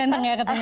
ganteng ya katanya